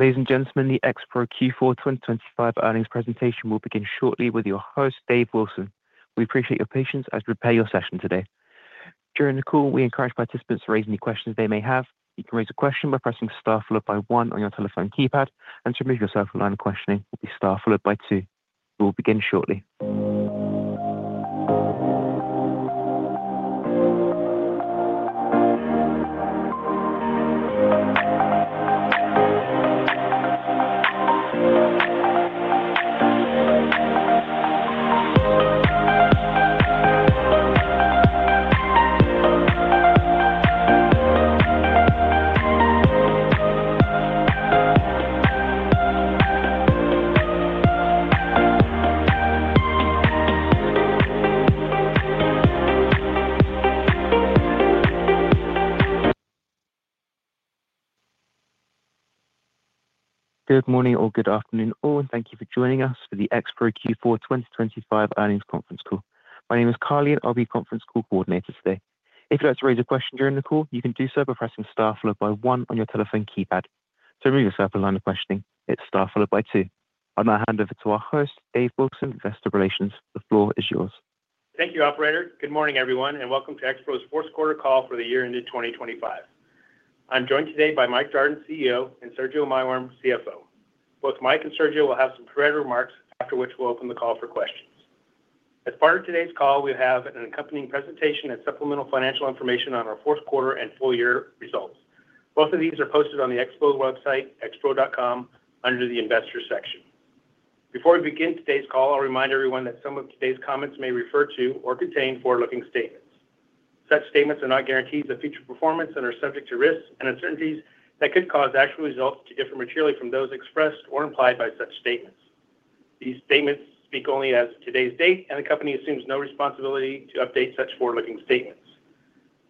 Ladies and gentlemen, The Expro Fourth Quarter 2025 Earnings Presentation will begin shortly with your host, Dave Wilson. We appreciate your patience as we prepare your session today. During the call, we encourage participants to raise any questions they may have. You can raise a question by pressing star followed by one on your telephone keypad, and to remove yourself from line of questioning, will be star followed by two. We will begin shortly. Good morning or good afternoon all, and thank you for joining us for the Expro Fourth Quarter 2025 Earnings Conference Call. My name is Carly, and I'll be your conference call coordinator today. If you'd like to raise a question during the call, you can do so by pressing star followed by one on your telephone keypad. To remove yourself from line of questioning, hit star followed by two. I'll now hand over to our host, Dave Wilson, Investor Relations. The floor is yours. Thank you, operator. Good morning, everyone, and welcome to Expro's fourth quarter call for the year ended 2025. I'm joined today by Mike Jardon, CEO, and Sergio Maiworm, CFO. Both Mike and Sergio will have some prepared remarks, after which we'll open the call for questions. As part of today's call, we have an accompanying presentation and supplemental financial information on our fourth quarter and full year results. Both of these are posted on the Expro website, expro.com, under the Investors section. Before we begin today's call, I'll remind everyone that some of today's comments may refer to or contain forward-looking statements. Such statements are not guarantees of future performance and are subject to risks and uncertainties that could cause actual results to differ materially from those expressed or implied by such statements. These statements speak only as of today's date, and the company assumes no responsibility to update such forward-looking statements.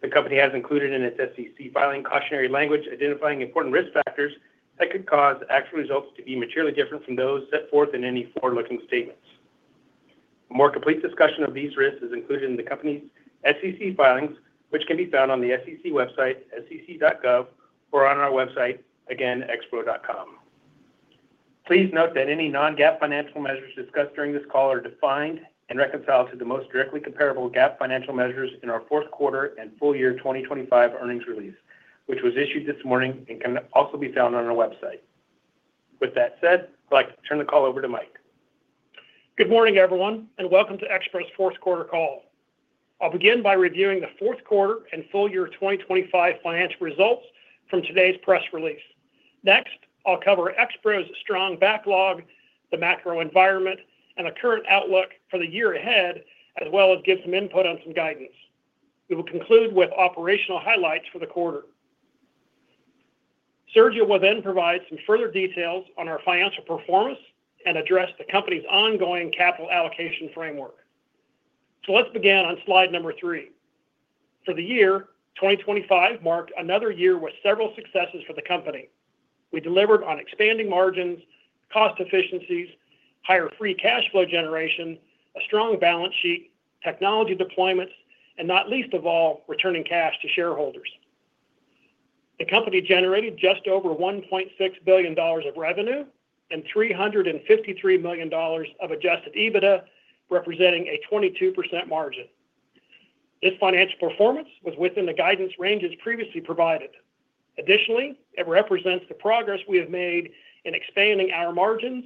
The company has included in its SEC filing cautionary language, identifying important risk factors that could cause actual results to be materially different from those set forth in any forward-looking statements. A more complete discussion of these risks is included in the company's SEC filings, which can be found on the SEC website, sec.gov, or on our website, again, expro.com. Please note that any non-GAAP financial measures discussed during this call are defined and reconciled to the most directly comparable GAAP financial measures in our fourth quarter and full year 2025 earnings release, which was issued this morning and can also be found on our website. With that said, I'd like to turn the call over to Mike. Good morning, everyone, and welcome to Expro's fourth quarter call. I'll begin by reviewing the fourth quarter and full year 2025 financial results from today's press release. Next, I'll cover Expro's strong backlog, the macro environment, and a current outlook for the year ahead, as well as give some input on some guidance. We will conclude with operational highlights for the quarter. Sergio will then provide some further details on our financial performance and address the company's ongoing capital allocation framework. So let's begin on slide number three. For the year, 2025 marked another year with several successes for the company. We delivered on expanding margins, cost efficiencies, higher free cash flow generation, a strong balance sheet, technology deployments, and not least of all, returning cash to shareholders. The company generated just over $1.6 billion of revenue and $353 million of Adjusted EBITDA, representing a 22% margin. This financial performance was within the guidance ranges previously provided. Additionally, it represents the progress we have made in expanding our margins,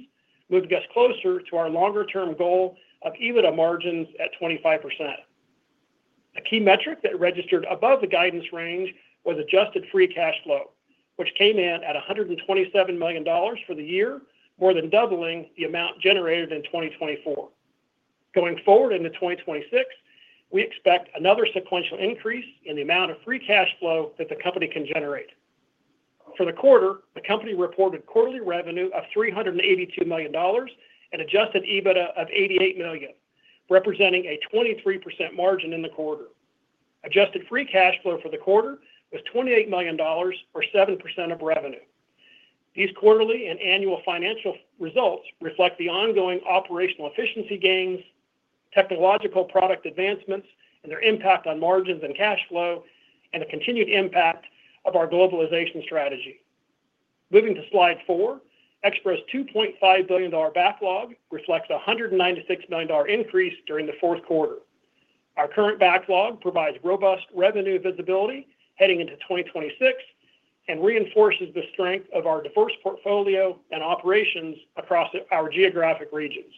moved us closer to our longer-term goal of EBITDA margins at 25%. A key metric that registered above the guidance range was Adjusted Free Cash Flow, which came in at $127 million for the year, more than doubling the amount generated in 2024. Going forward into 2026, we expect another sequential increase in the amount of free cash flow that the company can generate. For the quarter, the company reported quarterly revenue of $382 million and Adjusted EBITDA of $88 million, representing a 23% margin in the quarter. Adjusted free cash flow for the quarter was $28 million or 7% of revenue. These quarterly and annual financial results reflect the ongoing operational efficiency gains, technological product advancements, and their impact on margins and cash flow, and the continued impact of our globalization strategy. Moving to slide four, Expro's $2.5 billion backlog reflects a $196 million increase during the fourth quarter. Our current backlog provides robust revenue visibility heading into 2026 and reinforces the strength of our diverse portfolio and operations across our geographic regions.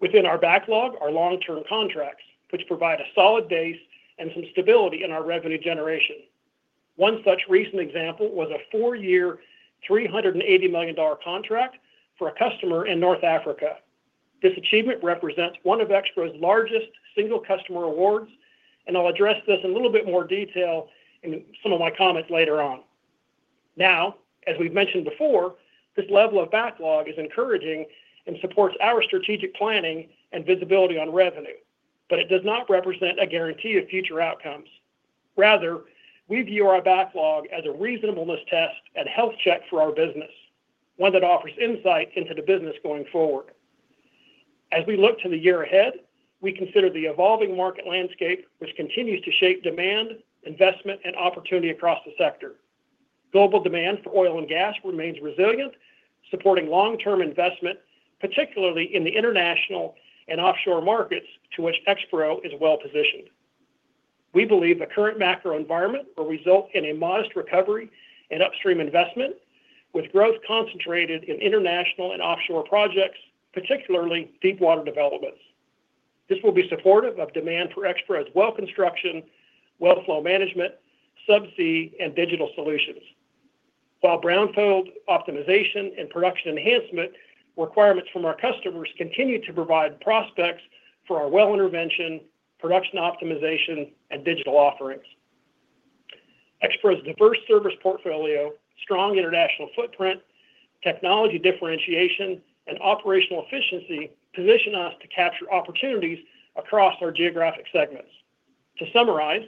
Within our backlog are long-term contracts, which provide a solid base and some stability in our revenue generation. One such recent example was a four-year, $380 million contract for a customer in North Africa. This achievement represents one of Expro's largest single customer awards, and I'll address this in a little bit more detail in some of my comments later on. Now, as we've mentioned before, this level of backlog is encouraging and supports our strategic planning and visibility on revenue, but it does not represent a guarantee of future outcomes. Rather, we view our backlog as a reasonableness test and health check for our business, one that offers insight into the business going forward. As we look to the year ahead, we consider the evolving market landscape, which continues to shape demand, investment, and opportunity across the sector. Global demand for oil and gas remains resilient, supporting long-term investment, particularly in the international and offshore markets to which Expro is well-positioned. We believe the current macro environment will result in a modest recovery in upstream investment, with growth concentrated in international and offshore projects, particularly deepwater developments. This will be supportive of demand for Expro's well construction, well flow management, subsea, and digital solutions. While brownfield optimization and production enhancement requirements from our customers continue to provide prospects for our well intervention, production optimization, and digital offerings. Expro's diverse service portfolio, strong international footprint, technology differentiation, and operational efficiency position us to capture opportunities across our geographic segments. To summarize,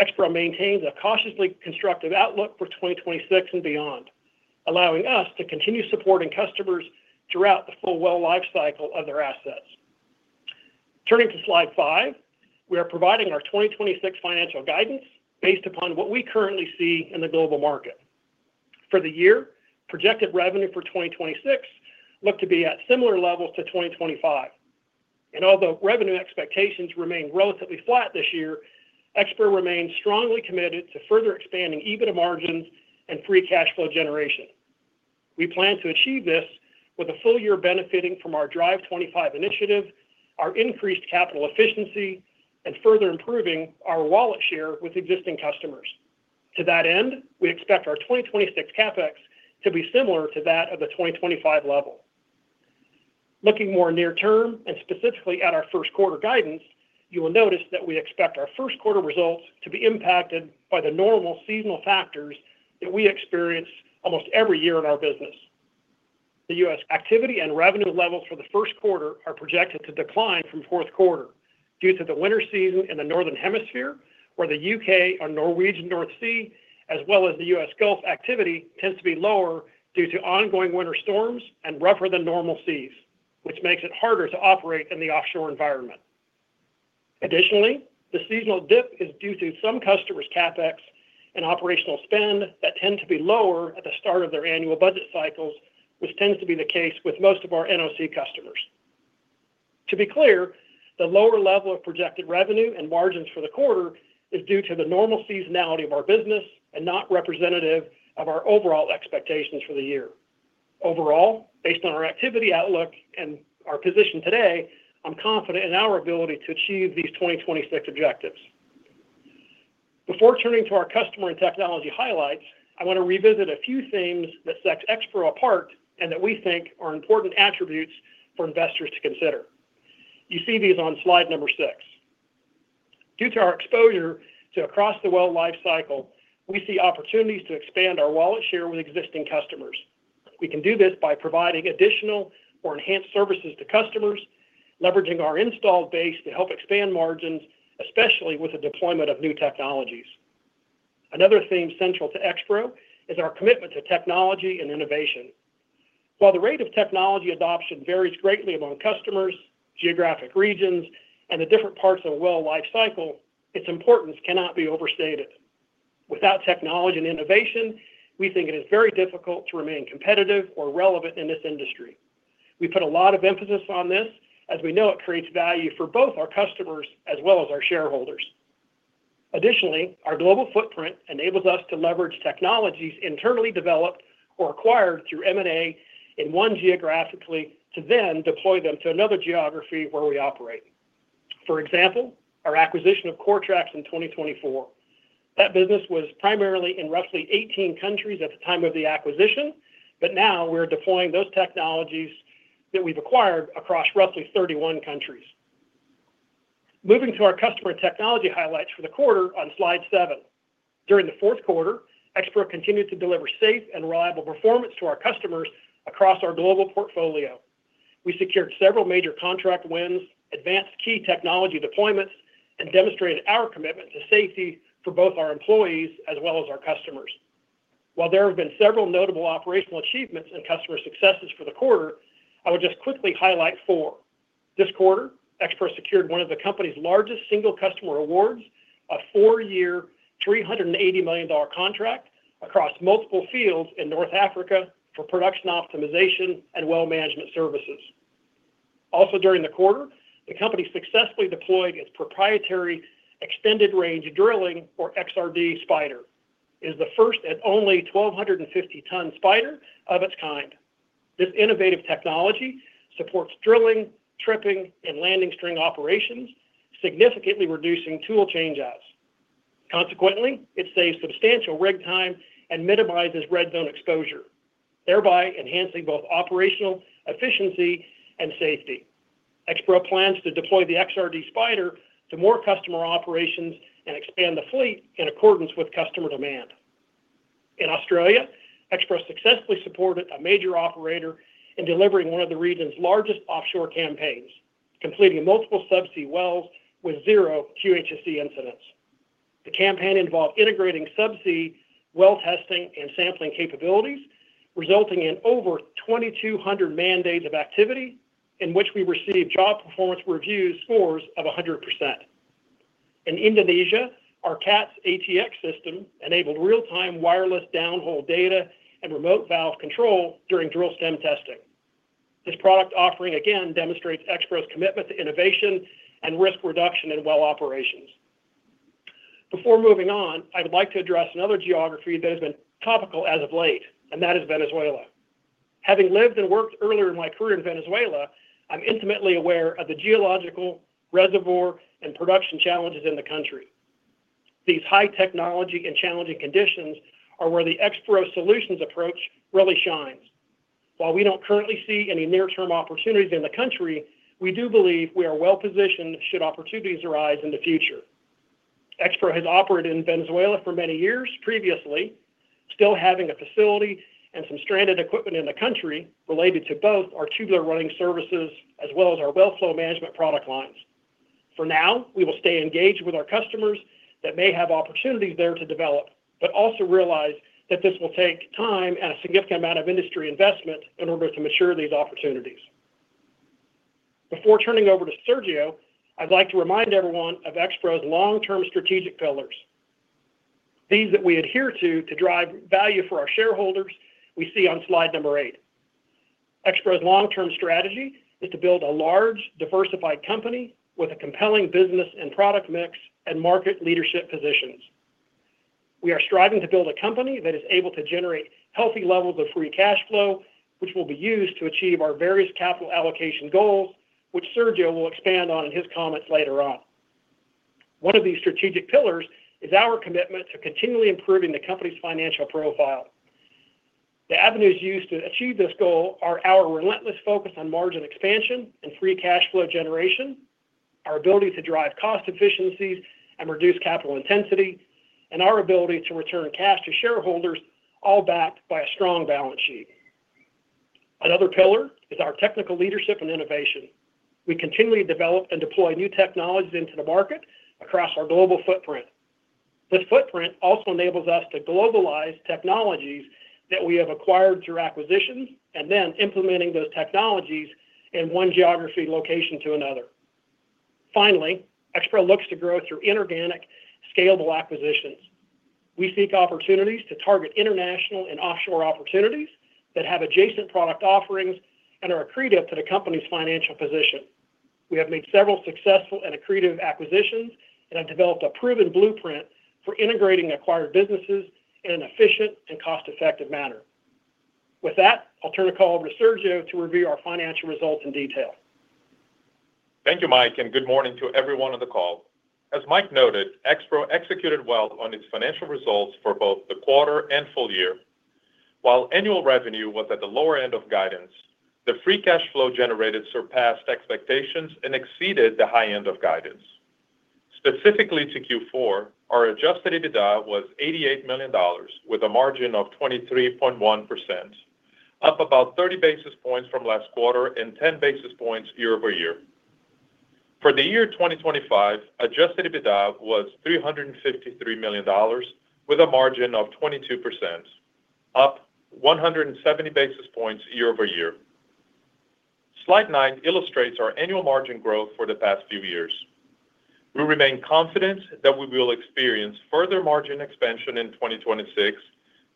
Expro maintains a cautiously constructive outlook for 2026 and beyond, allowing us to continue supporting customers throughout the full well lifecycle of their assets. Turning to slide five, we are providing our 2026 financial guidance based upon what we currently see in the global market. For the year, projected revenue for 2026 looks to be at similar levels to 2025. Although revenue expectations remain relatively flat this year, Expro remains strongly committed to further expanding EBITDA margins and free cash flow generation. We plan to achieve this with a full year benefiting from our Drive 2025 initiative, our increased capital efficiency, and further improving our wallet share with existing customers. To that end, we expect our 2026 CapEx to be similar to that of the 2025 level. Looking more near term, and specifically at our first quarter guidance, you will notice that we expect our first quarter results to be impacted by the normal seasonal factors that we experience almost every year in our business. The U.S. activity and revenue levels for the first quarter are projected to decline from fourth quarter due to the winter season in the Northern Hemisphere, where the U.K. or Norwegian North Sea, as well as the U.S. Gulf activity, tends to be lower due to ongoing winter storms and rougher than normal seas, which makes it harder to operate in the offshore environment. Additionally, the seasonal dip is due to some customers' CapEx and operational spend that tend to be lower at the start of their annual budget cycles, which tends to be the case with most of our NOC customers. To be clear, the lower level of projected revenue and margins for the quarter is due to the normal seasonality of our business and not representative of our overall expectations for the year. Overall, based on our activity outlook and our position today, I'm confident in our ability to achieve these 2026 objectives. Before turning to our customer and technology highlights, I want to revisit a few things that sets Expro apart and that we think are important attributes for investors to consider. You see these on slide number 6. Due to our exposure to across the well lifecycle, we see opportunities to expand our wallet share with existing customers. We can do this by providing additional or enhanced services to customers, leveraging our installed base to help expand margins, especially with the deployment of new technologies. Another theme central to Expro is our commitment to technology and innovation. While the rate of technology adoption varies greatly among customers, geographic regions, and the different parts of a well lifecycle, its importance cannot be overstated. Without technology and innovation, we think it is very difficult to remain competitive or relevant in this industry. We put a lot of emphasis on this, as we know it creates value for both our customers as well as our shareholders. Additionally, our global footprint enables us to leverage technologies internally developed or acquired through M&A in one geography to then deploy them to another geography where we operate. For example, our acquisition of Coretrax in 2024. That business was primarily in roughly 18 countries at the time of the acquisition, but now we're deploying those technologies that we've acquired across roughly 31 countries. Moving to our customer technology highlights for the quarter on slide 7. During the fourth quarter, Expro continued to deliver safe and reliable performance to our customers across our global portfolio. We secured several major contract wins, advanced key technology deployments, and demonstrated our commitment to safety for both our employees as well as our customers. While there have been several notable operational achievements and customer successes for the quarter, I would just quickly highlight four. This quarter, Expro secured one of the company's largest single customer awards, a four-year, $380 million contract across multiple fields in North Africa for production optimization and well management services. Also, during the quarter, the company successfully deployed its proprietary extended range drilling, or XRD Spider. It is the first and only 1,250-ton spider of its kind. This innovative technology supports drilling, tripping, and landing string operations, significantly reducing tool change-outs. Consequently, it saves substantial rig time and minimizes Red Zone exposure, thereby enhancing both operational efficiency and safety. Expro plans to deploy the XRD Spider to more customer operations and expand the fleet in accordance with customer demand. In Australia, Expro successfully supported a major operator in delivering one of the region's largest offshore campaigns, completing multiple subsea wells with zero QHSE incidents. The campaign involved integrating subsea well testing and sampling capabilities, resulting in over 2,200 man-days of activity, in which we received job performance review scores of 100%. In Indonesia, our CaTS ATX system enabled real-time wireless downhole data and remote valve control during Drill Stem Testing. This product offering again demonstrates Expro's commitment to innovation and risk reduction in well operations. Before moving on, I would like to address another geography that has been topical as of late, and that is Venezuela. Having lived and worked earlier in my career in Venezuela, I'm intimately aware of the geological, reservoir, and production challenges in the country. These high technology and challenging conditions are where the Expro solutions approach really shines. While we don't currently see any near-term opportunities in the country, we do believe we are well-positioned should opportunities arise in the future. Expro has operated in Venezuela for many years previously, still having a facility and some stranded equipment in the country related to both our tubular running services as well as our well flow management product lines. For now, we will stay engaged with our customers that may have opportunities there to develop, but also realize that this will take time and a significant amount of industry investment in order to mature these opportunities. Before turning over to Sergio, I'd like to remind everyone of Expro's long-term strategic pillars, these that we adhere to, to drive value for our shareholders we see on slide number 8. Expro's long-term strategy is to build a large, diversified company with a compelling business and product mix and market leadership positions. We are striving to build a company that is able to generate healthy levels of free cash flow, which will be used to achieve our various capital allocation goals, which Sergio will expand on in his comments later on. One of these strategic pillars is our commitment to continually improving the company's financial profile. The avenues used to achieve this goal are our relentless focus on margin expansion and free cash flow generation, our ability to drive cost efficiencies and reduce capital intensity, and our ability to return cash to shareholders, all backed by a strong balance sheet. Another pillar is our technical leadership and innovation. We continually develop and deploy new technologies into the market across our global footprint. This footprint also enables us to globalize technologies that we have acquired through acquisitions, and then implementing those technologies in one geography location to another. Finally, Expro looks to grow through inorganic, scalable acquisitions. We seek opportunities to target international and offshore opportunities that have adjacent product offerings and are accretive to the company's financial position. We have made several successful and accretive acquisitions and have developed a proven blueprint for integrating acquired businesses in an efficient and cost-effective manner. With that, I'll turn the call over to Sergio to review our financial results in detail. Thank you, Mike, and good morning to everyone on the call. As Mike noted, Expro executed well on its financial results for both the quarter and full year. While annual revenue was at the lower end of guidance, the free cash flow generated surpassed expectations and exceeded the high end of guidance. Specifically to Q4, our Adjusted EBITDA was $88 million, with a margin of 23.1%, up about 30 basis points from last quarter and 10 basis points year-over-year. For the year 2025, Adjusted EBITDA was $353 million, with a margin of 22%, up 170 basis points year-over-year. Slide nine illustrates our annual margin growth for the past few years. We remain confident that we will experience further margin expansion in 2026,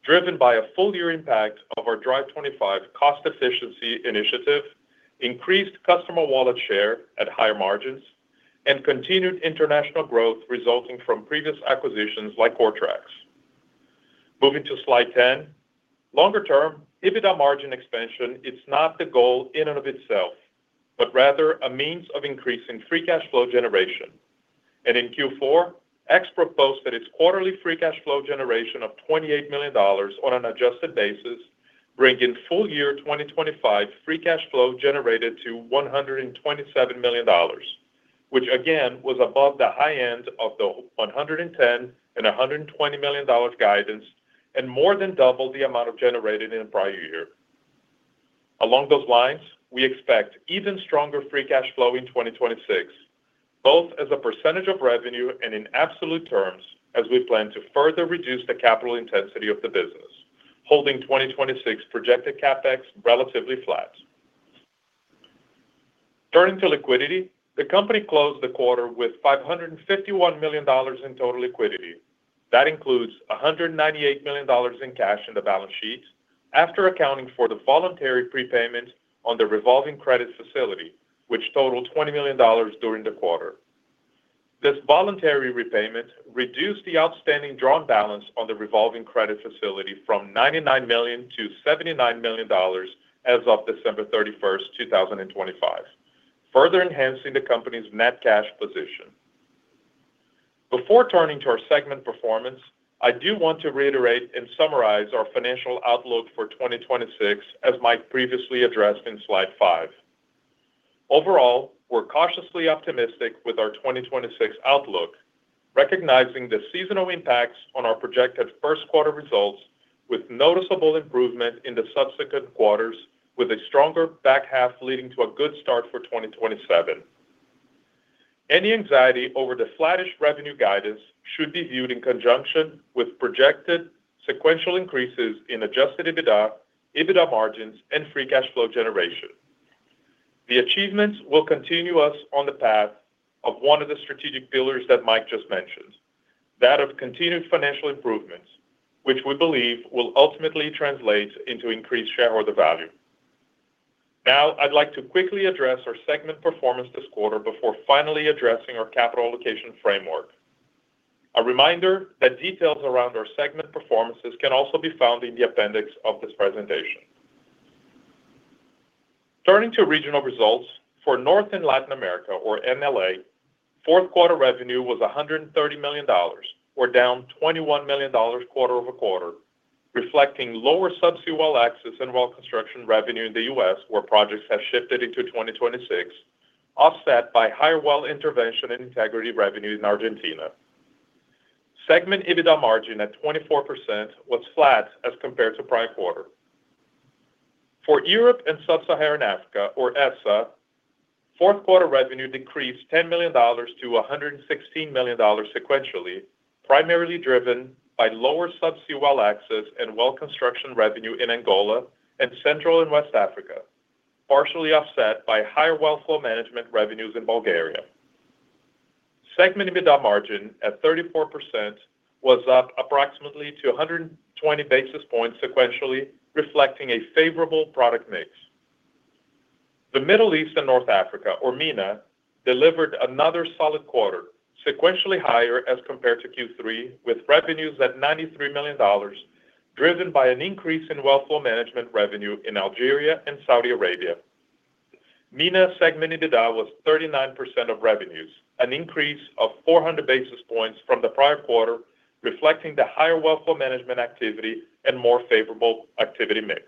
driven by a full-year impact of our Drive 25 cost efficiency initiative, increased customer wallet share at higher margins, and continued international growth resulting from previous acquisitions like Coretrax. Moving to slide 10. Longer term, EBITDA margin expansion is not the goal in and of itself, but rather a means of increasing free cash flow generation. And in Q4, Expro posted its quarterly free cash flow generation of $28 million on an adjusted basis, bringing full-year 2025 free cash flow generated to $127 million, which again, was above the high end of the $110 million-$120 million guidance and more than double the amount generated in the prior year. Along those lines, we expect even stronger free cash flow in 2026, both as a percentage of revenue and in absolute terms, as we plan to further reduce the capital intensity of the business, holding 2026 projected CapEx relatively flat. Turning to liquidity, the company closed the quarter with $551 million in total liquidity. That includes $198 million in cash on the balance sheet after accounting for the voluntary prepayment on the revolving credit facility, which totaled $20 million during the quarter. This voluntary repayment reduced the outstanding drawn balance on the revolving credit facility from $99 million to $79 million as of December 31, 2025, further enhancing the company's net cash position. Before turning to our segment performance, I do want to reiterate and summarize our financial outlook for 2026, as Mike previously addressed in slide 5. Overall, we're cautiously optimistic with our 2026 outlook, recognizing the seasonal impacts on our projected first quarter results, with noticeable improvement in the subsequent quarters, with a stronger back half leading to a good start for 2027. Any anxiety over the flattish revenue guidance should be viewed in conjunction with projected sequential increases in Adjusted EBITDA, EBITDA margins, and free cash flow generation. The achievements will continue us on the path of one of the strategic pillars that Mike just mentioned, that of continued financial improvements, which we believe will ultimately translate into increased shareholder value. Now, I'd like to quickly address our segment performance this quarter before finally addressing our capital allocation framework. A reminder that details around our segment performances can also be found in the appendix of this presentation. Turning to regional results, for North and Latin America or NLA, fourth quarter revenue was $130 million, down $21 million quarter-over-quarter, reflecting lower subsea well access and well construction revenue in the U.S., where projects have shifted into 2026, offset by higher well intervention and integrity revenue in Argentina. Segment EBITDA margin at 24% was flat as compared to prior quarter. For Europe and Sub-Saharan Africa or ESSA, fourth quarter revenue decreased $10 million to $116 million sequentially, primarily driven by lower subsea well access and well construction revenue in Angola and Central and West Africa, partially offset by higher well flow management revenues in Bulgaria. Segment EBITDA margin at 34% was up approximately 120 basis points sequentially, reflecting a favorable product mix. The Middle East and North Africa, or MENA, delivered another solid quarter, sequentially higher as compared to Q3, with revenues at $93 million, driven by an increase in well flow management revenue in Algeria and Saudi Arabia. MENA segment EBITDA was 39% of revenues, an increase of 400 basis points from the prior quarter, reflecting the higher well flow management activity and more favorable activity mix.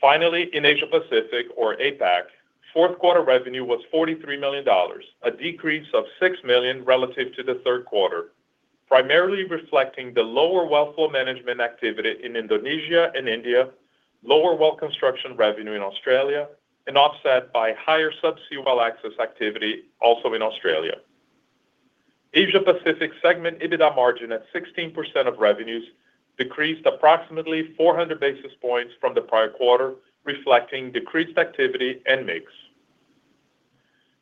Finally, in Asia Pacific, or APAC, fourth quarter revenue was $43 million, a decrease of $6 million relative to the third quarter, primarily reflecting the lower well flow management activity in Indonesia and India, lower well construction revenue in Australia, and offset by higher subsea well access activity also in Australia. Asia Pacific segment EBITDA margin at 16% of revenues decreased approximately 400 basis points from the prior quarter, reflecting decreased activity and mix.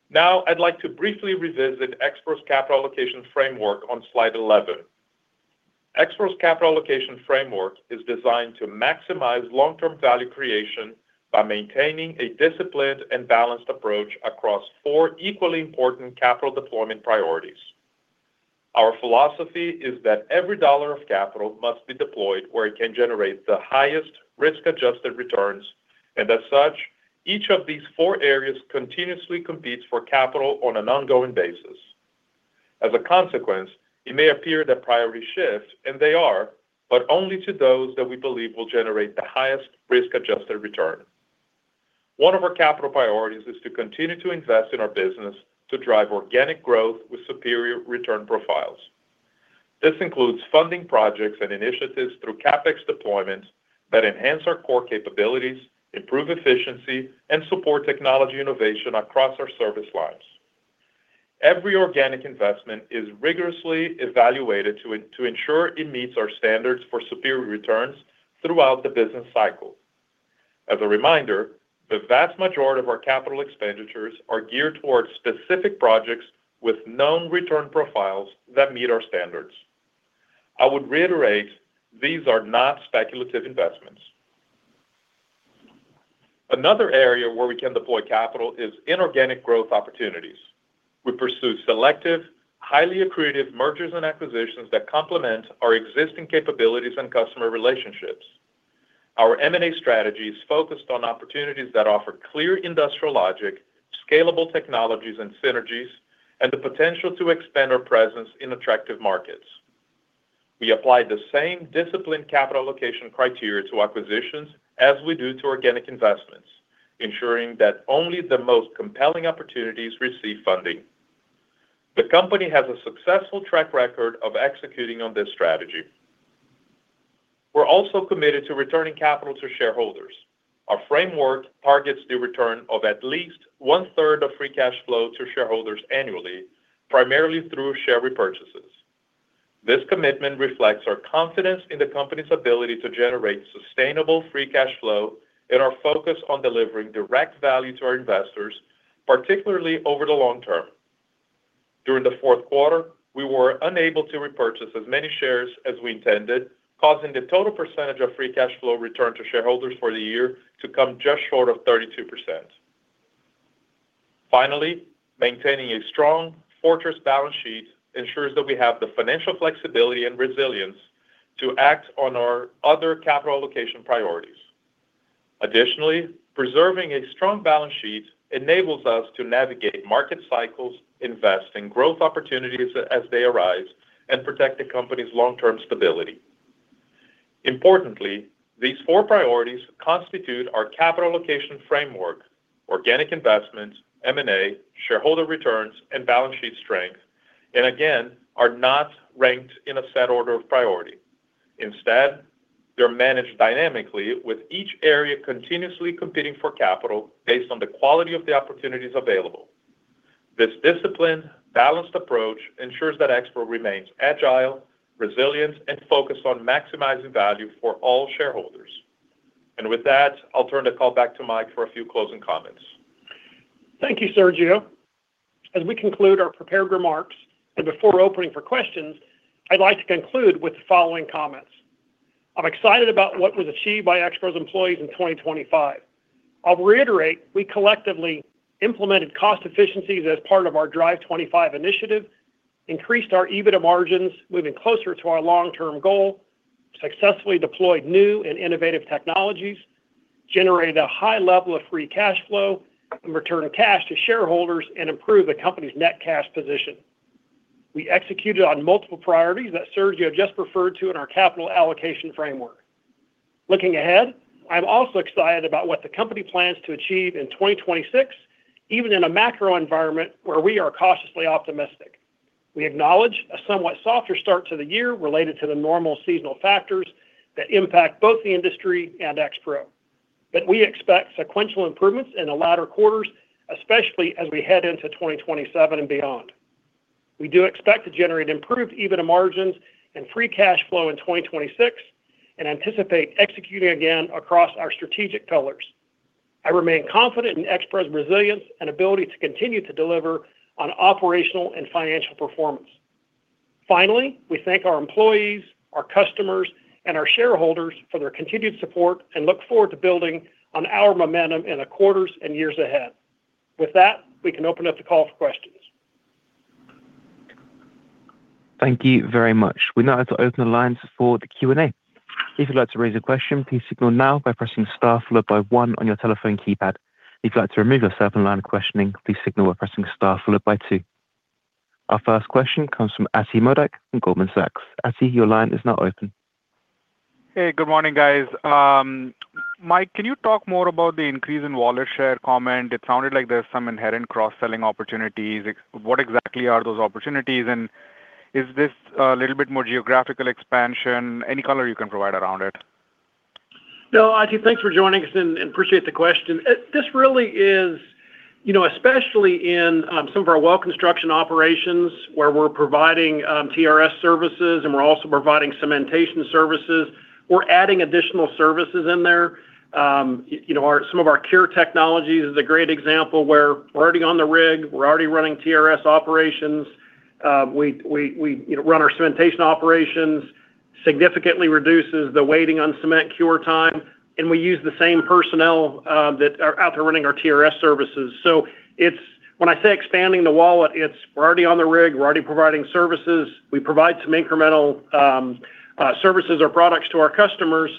Now, I'd like to briefly revisit Expro's capital allocation framework on slide 11. Expro's capital allocation framework is designed to maximize long-term value creation by maintaining a disciplined and balanced approach across four equally important capital deployment priorities. Our philosophy is that every dollar of capital must be deployed where it can generate the highest risk-adjusted returns, and as such, each of these four areas continuously competes for capital on an ongoing basis. As a consequence, it may appear that priorities shift, and they are, but only to those that we believe will generate the highest risk-adjusted return. One of our capital priorities is to continue to invest in our business to drive organic growth with superior return profiles. This includes funding projects and initiatives through CapEx deployments that enhance our core capabilities, improve efficiency, and support technology innovation across our service lines. Every organic investment is rigorously evaluated to ensure it meets our standards for superior returns throughout the business cycle. As a reminder, the vast majority of our capital expenditures are geared towards specific projects with known return profiles that meet our standards. I would reiterate, these are not speculative investments. Another area where we can deploy capital is inorganic growth opportunities. We pursue selective, highly accretive mergers and acquisitions that complement our existing capabilities and customer relationships. Our M&A strategy is focused on opportunities that offer clear industrial logic, scalable technologies and synergies, and the potential to expand our presence in attractive markets. We apply the same disciplined capital allocation criteria to acquisitions as we do to organic investments, ensuring that only the most compelling opportunities receive funding. The company has a successful track record of executing on this strategy. We're also committed to returning capital to shareholders. Our framework targets the return of at least 1/3 of free cash flow to shareholders annually, primarily through share repurchases. This commitment reflects our confidence in the company's ability to generate sustainable free cash flow and our focus on delivering direct value to our investors, particularly over the long term. During the fourth quarter, we were unable to repurchase as many shares as we intended, causing the total percentage of free cash flow returned to shareholders for the year to come just short of 32%. Finally, maintaining a strong fortress balance sheet ensures that we have the financial flexibility and resilience to act on our other capital allocation priorities. Additionally, preserving a strong balance sheet enables us to navigate market cycles, invest in growth opportunities as they arise, and protect the company's long-term stability. Importantly, these four priorities constitute our capital allocation framework, organic investments, M&A, shareholder returns, and balance sheet strength, and again, are not ranked in a set order of priority. Instead, they're managed dynamically, with each area continuously competing for capital based on the quality of the opportunities available. This disciplined, balanced approach ensures that Expro remains agile, resilient, and focused on maximizing value for all shareholders. And with that, I'll turn the call back to Mike for a few closing comments. Thank you, Sergio. As we conclude our prepared remarks, and before opening for questions, I'd like to conclude with the following comments. I'm excited about what was achieved by XPRO's employees in 2025. I'll reiterate, we collectively implemented cost efficiencies as part of our Drive 25 initiative, increased our EBITDA margins, moving closer to our long-term goal, successfully deployed new and innovative technologies, generated a high level of free cash flow and return of cash to shareholders, and improved the company's net cash position. We executed on multiple priorities that Sergio just referred to in our capital allocation framework. Looking ahead, I'm also excited about what the company plans to achieve in 2026, even in a macro environment where we are cautiously optimistic. We acknowledge a somewhat softer start to the year related to the normal seasonal factors that impact both the industry and Expro. But we expect sequential improvements in the latter quarters, especially as we head into 2027 and beyond. We do expect to generate improved EBITDA margins and free cash flow in 2026 and anticipate executing again across our strategic pillars. I remain confident in XPRO's resilience and ability to continue to deliver on operational and financial performance. Finally, we thank our employees, our customers, and our shareholders for their continued support and look forward to building on our momentum in the quarters and years ahead. With that, we can open up the call for questions. Thank you very much. We're now to open the lines for the Q&A. If you'd like to raise a question, please signal now by pressing star followed by one on your telephone keypad. If you'd like to remove yourself in line of questioning, please signal by pressing star followed by two. Our first question comes from Ati Mody from Goldman Sachs. Ati, your line is now open. Hey, good morning, guys. Mike, can you talk more about the increase in wallet share comment? It sounded like there's some inherent cross-selling opportunities. What exactly are those opportunities, and is this, a little bit more geographical expansion? Any color you can provide around it? No, Atif, thanks for joining us and appreciate the question. This really is, you know, especially in some of our well construction operations, where we're providing TRS services, and we're also providing cementation services, we're adding additional services in there. You know, some of our CoreTrax technologies is a great example where we're already on RIG, we're already running TRS operations. We you know run our cementation operations, significantly reduces the waiting on cement cure time, and we use the same personnel that are out there running our TRS services. So it's. When I say expanding the wallet, it's we're already on the rig, we're already providing services. We provide some incremental services or products to our customers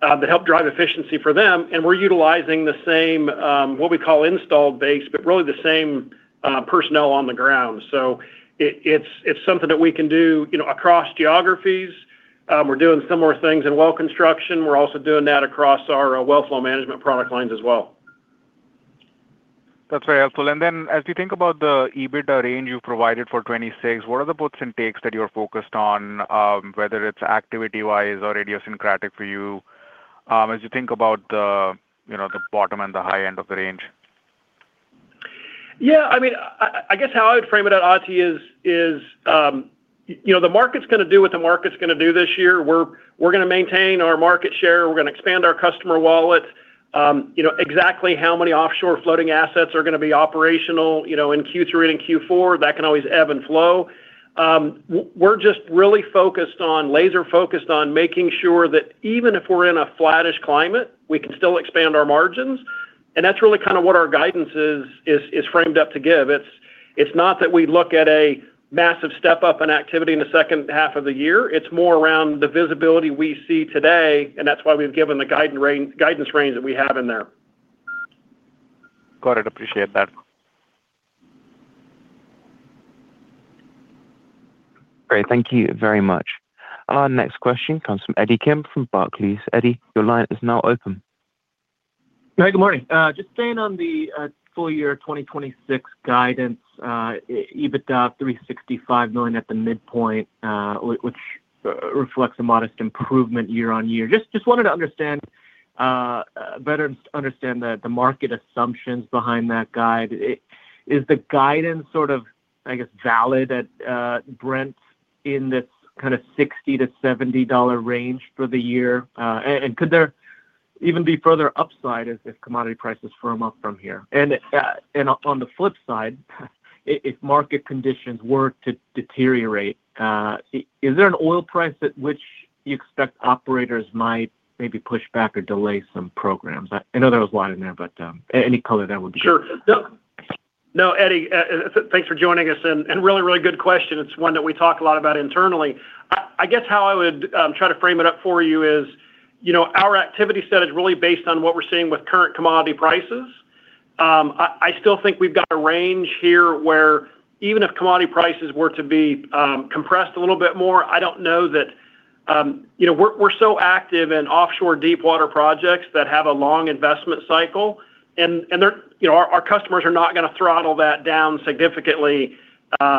that help drive efficiency for them, and we're utilizing the same what we call Installed Base, but really the same personnel on the ground. So it's something that we can do, you know, across geographies. We're doing similar things in Well Construction. We're also doing that across our Well Flow Management product lines as well. That's very helpful. And then, as you think about the EBITDA range you provided for 2026, what are the puts and takes that you're focused on, whether it's activity-wise or idiosyncratic for you, as you think about the, you know, the bottom and the high end of the range? Yeah, I mean, I guess how I'd frame it out, Ati, is, you know, the market's going to do what the market's going to do this year. We're going to maintain our market share, we're going to expand our customer wallet. You know, exactly how many offshore floating assets are going to be operational, you know, in Q3 and Q4, that can always ebb and flow. We're just really focused on, laser-focused on making sure that even if we're in a flattish climate, we can still expand our margins, and that's really kind of what our guidance is framed up to give. It's not that we look at a massive step up in activity in the second half of the year. It's more around the visibility we see today, and that's why we've given the guidance range that we have in there. Got it. Appreciate that. Great. Thank you very much. Our next question comes from Eddie Kim from Barclays. Eddie, your line is now open. Hey, good morning. Just staying on the full year 2026 guidance, EBITDA, $365 million at the midpoint, which reflects a modest improvement year-on-year. Just wanted to understand better the market assumptions behind that guide. Is the guidance sort of, I guess, valid at Brent's in this kind of $60-$70 range for the year? And could there even be further upside as if commodity prices firm up from here? And on the flip side, if market conditions were to deteriorate, is there an oil price at which you expect operators might maybe push back or delay some programs? I know there was a lot in there, but any color that would be- Sure. No, no, Eddie, thanks for joining us, and really, really good question. It's one that we talk a lot about internally. I guess how I would try to frame it up for you is, you know, our activity set is really based on what we're seeing with current commodity prices. I still think we've got a range here where even if commodity prices were to be compressed a little bit more, I don't know that, you know. We're so active in offshore Deepwater projects that have a long investment cycle, and they're, you know, our customers are notgoing to throttle that down significantly,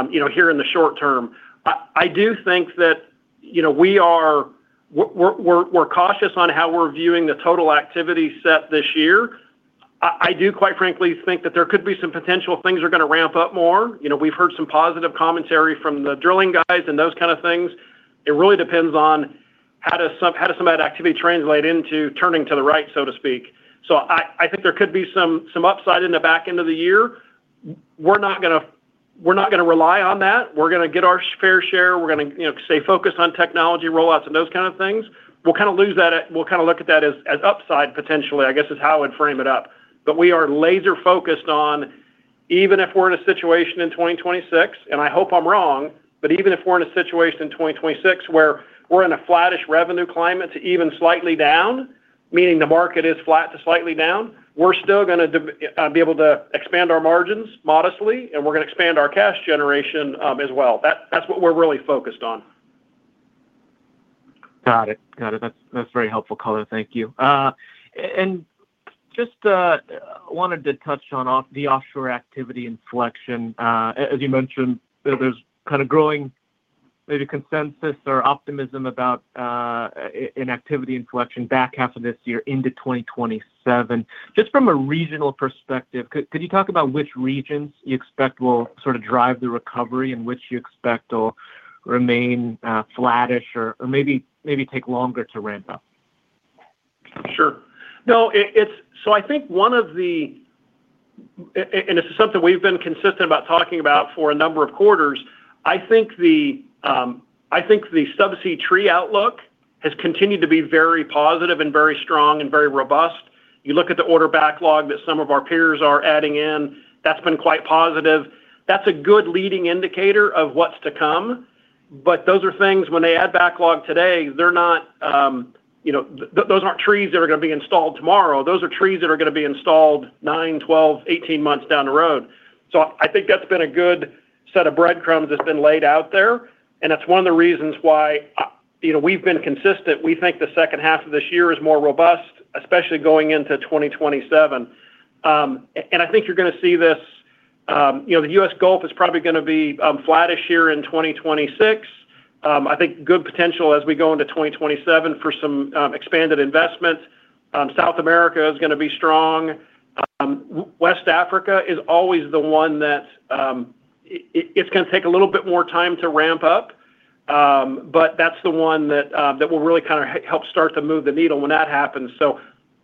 you know, here in the short term. I do think that, you know, we are. We're cautious on how we're viewing the total activity set this year. I do quite frankly think that there could be some potential things are going to ramp up more. You know, we've heard some positive commentary from the drilling guys and those kind of things. It really depends on how does some of that activity translate into turning to the right, so to speak? So I think there could be some upside in the back end of the year. We're not going to rely on that. We're going to get our fair share. We're going to, you know, stay focused on technology rollouts and those kind of things. We'll kind of look at that as upside, potentially, I guess, is how I'd frame it up. We are laser-focused on, even if we're in a situation in 2026, and I hope I'm wrong, but even if we're in a situation in 2026 where we're in a flattish revenue climate to even slightly down, meaning the market is flat to slightly down, we're still going to be able to expand our margins modestly, and we're going to expand our cash generation, as well. That's what we're really focused on. Got it. Got it. That's, that's very helpful color. Thank you. And just wanted to touch on offshore—the offshore activity inflection. As you mentioned, there's kind of growing maybe consensus or optimism about an activity inflection back half of this year into 2027. Just from a regional perspective, could, could you talk about which regions you expect will sort of drive the recovery and which you expect will remain flattish or, or maybe, maybe take longer to ramp up? Sure. No, it's. And this is something we've been consistent about talking about for a number of quarters. I think the Subsea Tree outlook has continued to be very positive and very strong and very robust. You look at the order backlog that some of our peers are adding in, that's been quite positive. That's a good leading indicator of what's to come, but those are things. When they add backlog today, they're not, you know, those aren't trees that are going to be installed tomorrow. Those are trees that are going to be installed nine, 12, 18 months down the road. So I think that's been a good set of breadcrumbs that's been laid out there, and that's one of the reasons why, you know, we've been consistent. We think the second half of this year is more robust, especially going into 2027. And I think you're going to see this.. You know, the US Gulf is probably going to be flattish year in 2026. I think good potential as we go into 2027 for some expanded investment. South America is going to be strong. West Africa is always the one that it, it's going to take a little bit more time to ramp up, but that's the one that that will really kind of help start to move the needle when that happens. So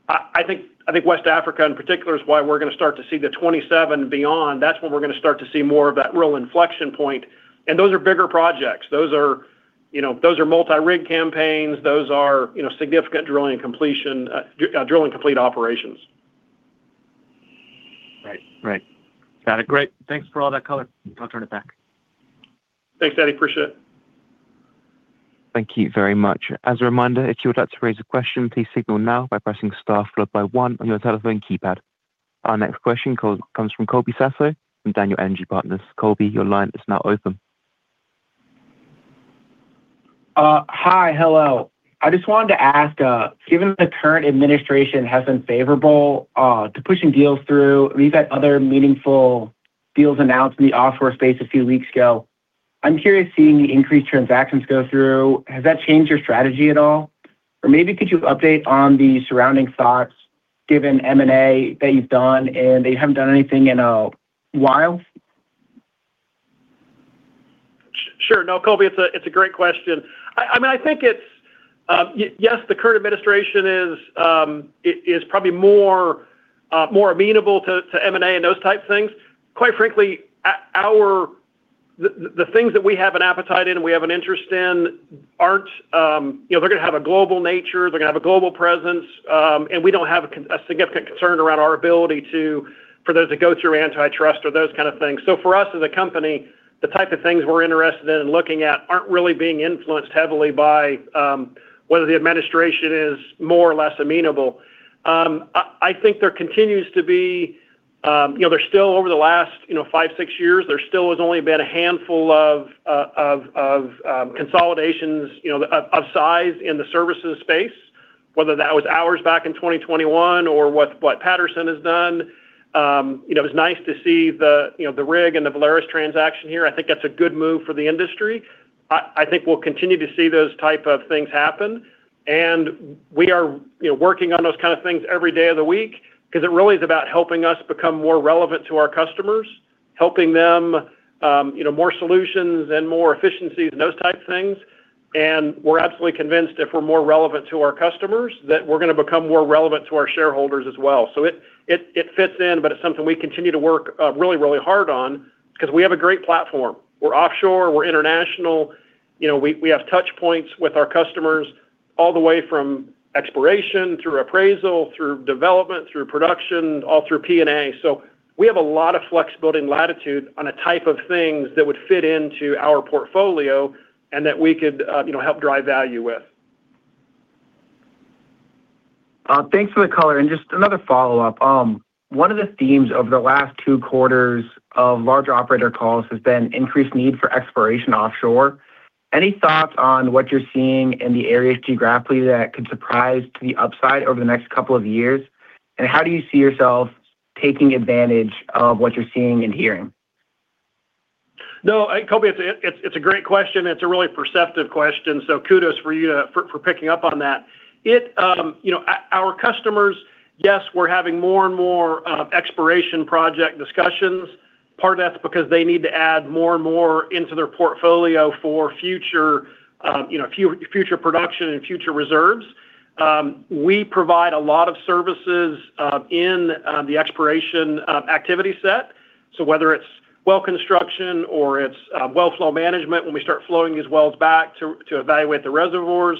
I, I think, I think West Africa, in particular, is why we're going to start to see the 2027 beyond. That's when we're going to start to see more of that real inflection point, and those are bigger projects. Those are, you know, those are multi-rig campaigns. Those are, you know, significant drilling and completion, drilling complete operations. Right. Right. Got it. Great. Thanks for all that color. I'll turn it back. Thanks, Eddie. Appreciate it. Thank you very much. As a reminder, if you would like to raise a question, please signal now by pressing star followed by one on your telephone keypad. Our next question call comes from Colby Sasso from Daniel Energy Partners. Colby, your line is now open. Hi. Hello. I just wanted to ask, given the current administration has been favorable to pushing deals through, we've had other meaningful deals announced in the offshore space a few weeks ago, I'm curious, seeing the increased transactions go through, has that changed your strategy at all? Or maybe could you update on the surrounding thoughts given M&A that you've done, and they haven't done anything in a while? Sure. No, Colby, it's a great question. I mean, I think it's yes, the current administration is, it is probably more more amenable to M&A and those type of things. Quite frankly, our the things that we have an appetite in and we have an interest in aren't, you know, they're going to have a global nature, they're going to have a global presence, and we don't have a significant concern around our ability for those to go through antitrust or those kind of things. So for us, as a company, the type of things we're interested in looking at aren't really being influenced heavily by whether the administration is more or less amenable. I think there continues to be, you know, there's still over the last five to six years, there still has only been a handful of consolidations, you know, of size in the services space, whether that was ours back in 2021 or what Patterson has done. You know, it's nice to see the, you know, the rig and the Valaris transaction here. I think that's a good move for the industry. I think we'll continue to see those type of things happen, and we are, you know, working on those kind of things every day of the week because it really is about helping us become more relevant to our customers, helping them, you know, more solutions and more efficiencies and those type of things. And we're absolutely convinced if we're more relevant to our customers, that we're going to become more relevant to our shareholders as well. So it fits in, but it's something we continue to work really, really hard on because we have a great platform. We're offshore, we're international. You know, we have touch points with our customers all the way from exploration through appraisal, through development, through production, all through P&A. So we have a lot of flexibility and latitude on a type of things that would fit into our portfolio and that we could, you know, help drive value with. Thanks for the color. Just another follow-up. One of the themes over the last two quarters of large operator calls has been increased need for exploration offshore. Any thoughts on what you're seeing in the areas geographically that could surprise to the upside over the next couple of years? And how do you see yourself taking advantage of what you're seeing and hearing? No, Colby, it's a great question, and it's a really perceptive question, so kudos to you for picking up on that. It, you know, our customers, yes, we're having more and more exploration project discussions. Part of that's because they need to add more and more into their portfolio for future, you know, future production and future reserves. We provide a lot of services in the exploration activity set. So whether it's well construction or it's well flow management, when we start flowing these wells back to evaluate the reservoirs,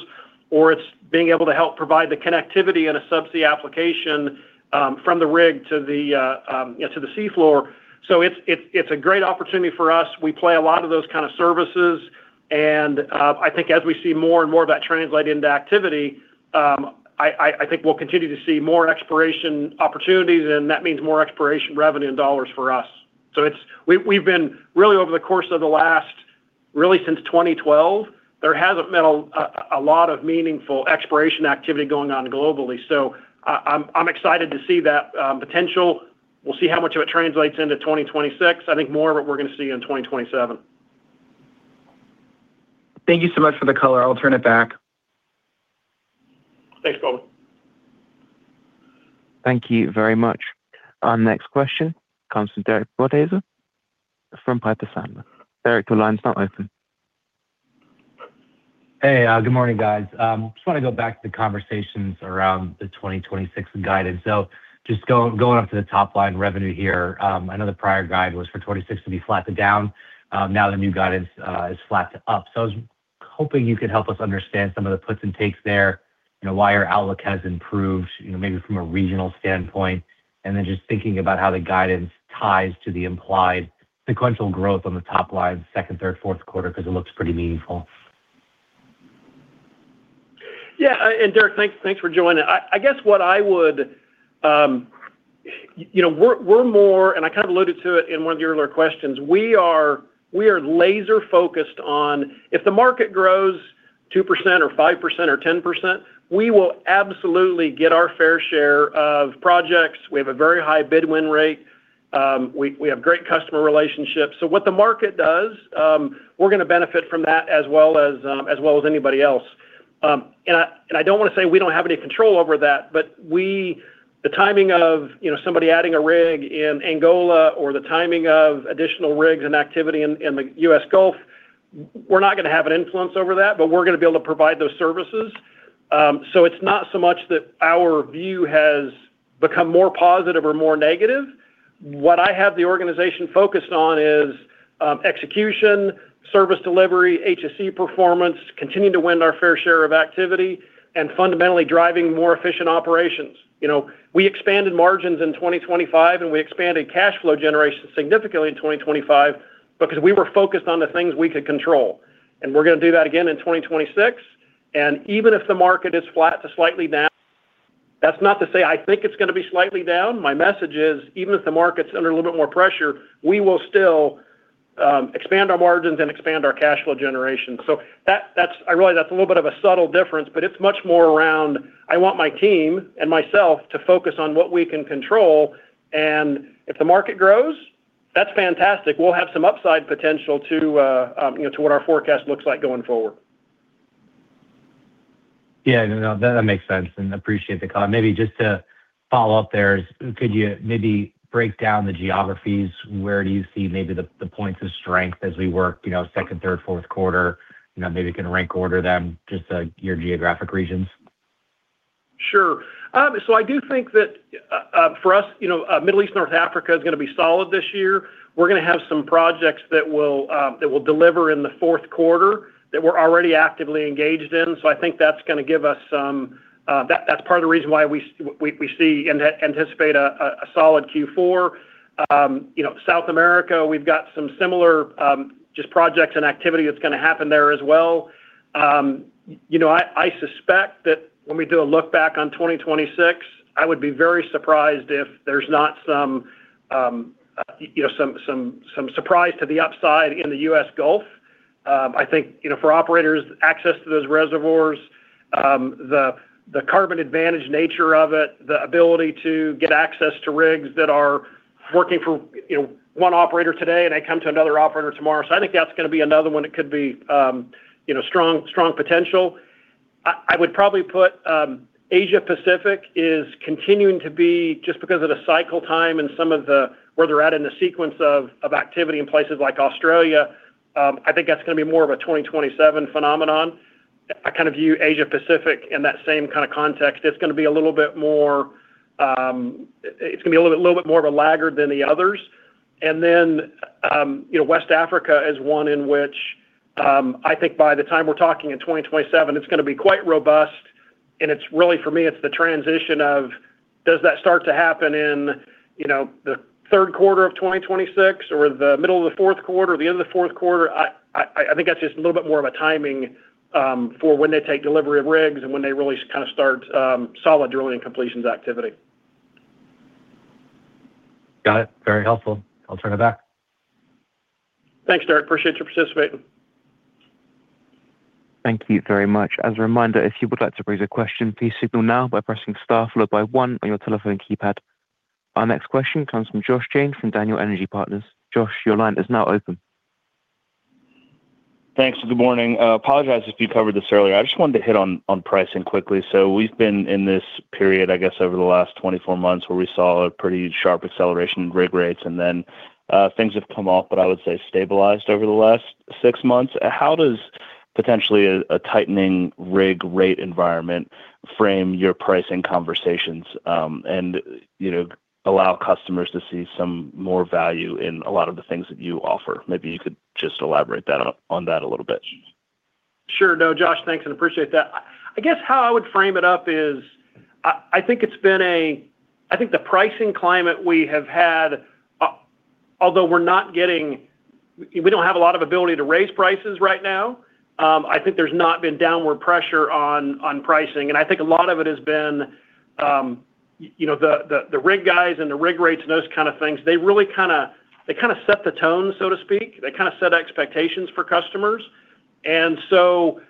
or it's being able to help provide the connectivity in a subsea application, from the rig to the, you know, to the seafloor. So it's a great opportunity for us. We play a lot of those kind of services, and I think as we see more and more of that translate into activity, I think we'll continue to see more exploration opportunities, and that means more exploration revenue and dollars for us. So we've been really over the course of the last, really, since 2012, there hasn't been a lot of meaningful exploration activity going on globally. So I'm excited to see that potential. We'll see how much of it translates into 2026. I think more of it we'regoing to see in 2027. Thank you so much for the color. I'll turn it back. Thanks, Colby. Thank you very much. Our next question comes from Derek Podhaizer from Piper Sandler. Derek, the line's now open. Hey, good morning, guys. Just want to go back to the conversations around the 2026 guidance. So going up to the top line revenue here, I know the prior guide was for 2026 to be flat to down. Now the new guidance is flat to up. So I was hoping you could help us understand some of the puts and takes there, you know, why your outlook has improved, you know, maybe from a regional standpoint, and then just thinking about how the guidance ties to the implied sequential growth on the top line, second, third, fourth quarter, because it looks pretty meaningful. Yeah, and Derek, thanks, thanks for joining. I guess what I would... You know, we're, we're more, and I kind of alluded to it in one of the earlier questions. We are, we are laser-focused on if the market grows 2% or 5% or 10%, we will absolutely get our fair share of projects. We have a very high bid-win rate. We, we have great customer relationships. So what the market does, we're going to benefit from that as well as, as well as anybody else. I don't want to say we don't have any control over that, but the timing of, you know, somebody adding a rig in Angola or the timing of additional rigs and activity in the U.S. Gulf, we're not going to have an influence over that, but we're going to be able to provide those services. So it's not so much that our view has become more positive or more negative. What I have the organization focused on is execution, service delivery, QHSE performance, continuing to win our fair share of activity, and fundamentally driving more efficient operations. You know, we expanded margins in 2025, and we expanded cash flow generation significantly in 2025 because we were focused on the things we could control. We're going to do that again in 2026. Even if the market is flat to slightly down, that's not to say I think it's going to be slightly down. My message is, even if the market's under a little bit more pressure, we will still expand our margins and expand our cash flow generation. So that's really a little bit of a subtle difference, but it's much more around, I want my team and myself to focus on what we can control, and if the market grows, that's fantastic. We'll have some upside potential to, you know, to what our forecast looks like going forward. Yeah, no, that makes sense, and appreciate the call. Maybe just to follow up there, could you maybe break down the geographies? Where do you see maybe the points of strength as we work, you know, second, third, fourth quarter? You know, maybe you can rank order them, just your geographic regions. Sure. So I do think that, for us, you know, Middle East, North Africa is going to be solid this year. We're going to have some projects that will, that will deliver in the fourth quarter, that we're already actively engaged in. So I think that's going to give us some, that's part of the reason why we, we, we see and anticipate a, a, a solid Q4. You know, South America, we've got some similar, just projects and activity that's going to happen there as well. You know, I, I suspect that when we do a look back on 2026, I would be very surprised if there's not some, you know, some, some, some surprise to the upside in the U.S. Gulf. I think, you know, for operators, access to those reservoirs, the, the carbon advantage nature of it, the ability to get access to rigs that are working for, you know, one operator today, and they come to another operator tomorrow. So I think that's going to be another one. It could be, you know, strong, strong potential. I would probably put Asia Pacific is continuing to be just because of the cycle time and some of the. where they're at in the sequence of, of activity in places like Australia, I think that's going to be more of a 2027 phenomenon. I kind of view Asia Pacific in that same kind of context. It's going to be a little bit more, it's going to be a little, little bit more of a laggard than the others. And then, you know, West Africa is one in which, I think by the time we're talking in 2027, it's going to be quite robust, and it's really, for me, it's the transition of. Does that start to happen in, you know, the third quarter of 2026, or the middle of the fourth quarter, or the end of the fourth quarter? I think that's just a little bit more of a timing, for when they take delivery of rigs and when they really kind of start, solid drilling and completions activity. Got it. Very helpful. I'll turn it back. Thanks, Derek. Appreciate your participating. Thank you very much. As a reminder, if you would like to raise a question, please signal now by pressing Star followed by one on your telephone keypad. Our next question comes from Josh James, from Daniel Energy Partners. Josh, your line is now open. Thanks, and good morning. Apologize if you covered this earlier. I just wanted to hit on, on pricing quickly. So we've been in this period, I guess, over the last 24 months, where we saw a pretty sharp acceleration in rig rates, and then, things have come off, but I would say stabilized over the last six months. How does potentially a, a tightening rig rate environment frame your pricing conversations, and, you know, allow customers to see some more value in a lot of the things that you offer? Maybe you could just elaborate on that a little bit. Sure. No, Josh, thanks, and appreciate that. I guess how I would frame it up is I think it's been a I think the pricing climate we have had, although we're not getting we don't have a lot of ability to raise prices right now, I think there's not been downward pressure on pricing, and I think a lot of it has been, you know, the rig guys and the rig rates and those kind of things, they really kind of They kind of set the tone, so to speak. They kind of set expectations for customers. And so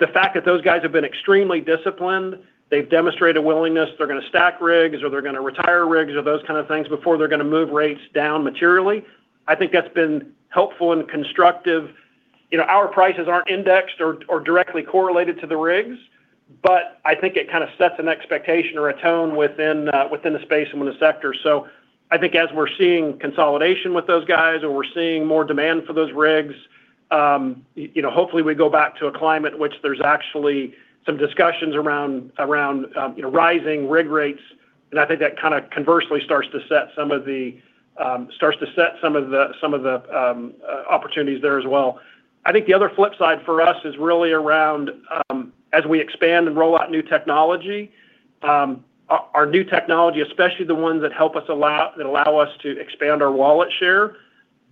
the fact that those guys have been extremely disciplined, they've demonstrated a willingness, they're going to stack rigs, or they're going to retire rigs or those kind of things before they're going to move rates down materially. I think that's been helpful and constructive. You know, our prices aren't indexed or, or directly correlated to the rigs, but I think it kind of sets an expectation or a tone within, within the space and within the sector. So I think as we're seeing consolidation with those guys, or we're seeing more demand for those rigs, you know, hopefully, we go back to a climate which there's actually some discussions around, around, you know, rising rig rates. And I think that kind of conversely starts to set some of the opportunities there as well. I think the other flip side for us is really around as we expand and roll out new technology, our new technology, especially the ones that allow us to expand our wallet share,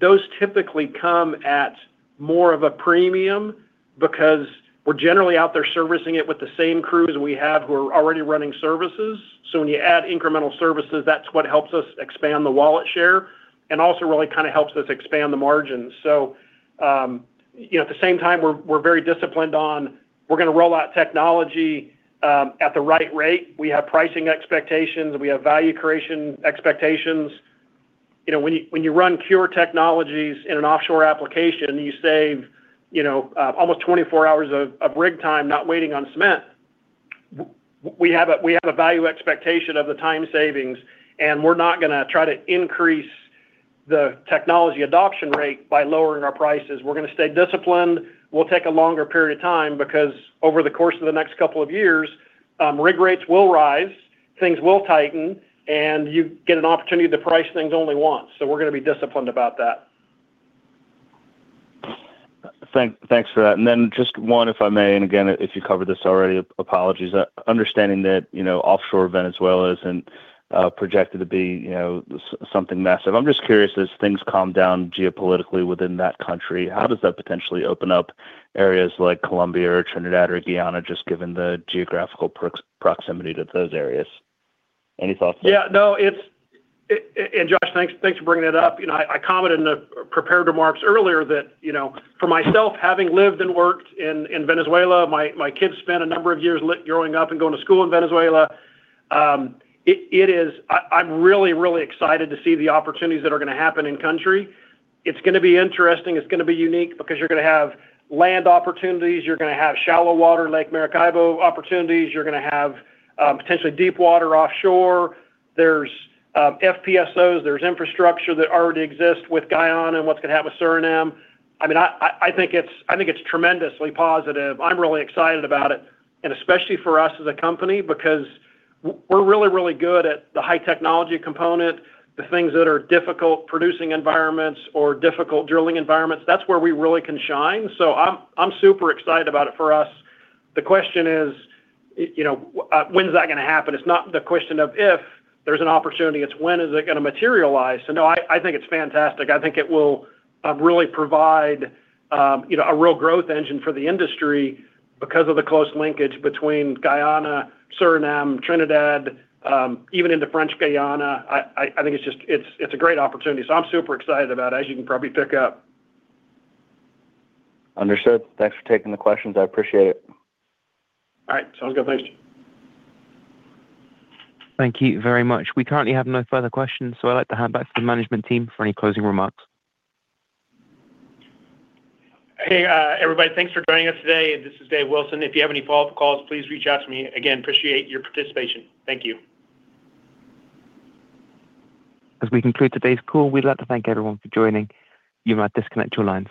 those typically come at more of a premium because we're generally out there servicing it with the same crews we have who are already running services. So when you add incremental services, that's what helps us expand the wallet share and also really kind of helps us expand the margins. So, you know, at the same time, we're very disciplined on, we're going to roll out technology at the right rate. We have pricing expectations, we have value creation expectations. You know, when you run our technologies in an offshore application, you save, you know, almost 24 hours of rig time not waiting on cement. We have a value expectation of the time savings, and we're not going to try to increase the technology adoption rate by lowering our prices. We're going to stay disciplined. We'll take a longer period of time because over the course of the next couple of years, rig rates will rise, things will tighten, and you get an opportunity to price things only once. So we're going to be disciplined about that. Thanks for that. And then just one, if I may, and again, if you covered this already, apologies. Understanding that, you know, offshore Venezuela isn't, you know, projected to be something massive. I'm just curious, as things calm down geopolitically within that country, how does that potentially open up areas like Colombia or Trinidad or Guyana, just given the geographical proximity to those areas? Any thoughts there? Yeah. No, it's and Josh, thanks, thanks for bringing that up. You know, I commented in the prepared remarks earlier that, you know, for myself, having lived and worked in Venezuela, my kids spent a number of years growing up and going to school in Venezuela. It is. I'm really, really excited to see the opportunities that are going to happen in country. It's going to be interesting, it's going to be unique because you're going to have land opportunities, you're going to have shallow water, Lake Maracaibo opportunities, you're going to have potentially deep water offshore. There's FPSOs, there's infrastructure that already exists with Guyana and what's going to happen with Suriname. I mean, I think it's tremendously positive. I'm really excited about it, and especially for us as a company, because we're really, really good at the high technology component, the things that are difficult, producing environments or difficult drilling environments. That's where we really can shine. So I'm super excited about it for us. The question is, you know, when is that going to happen? It's not the question of if there's an opportunity, it's when is it going to materialize? So no, I think it's fantastic. I think it will really provide, you know, a real growth engine for the industry because of the close linkage between Guyana, Suriname, Trinidad, even into French Guiana. I think it's just. It's a great opportunity. So I'm super excited about it, as you can probably pick up. Understood. Thanks for taking the questions. I appreciate it. All right, sounds good. Thanks. Thank you very much. We currently have no further questions, so I'd like to hand back to the management team for any closing remarks. Hey, everybody, thanks for joining us today. This is Dave Wilson. If you have any follow-up calls, please reach out to me. Again, appreciate your participation. Thank you. As we conclude today's call, we'd like to thank everyone for joining. You may disconnect your lines.